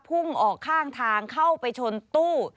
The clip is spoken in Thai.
พุ่งออกข้างทางเข้าไปชนตู้